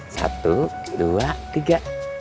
satu dua tiga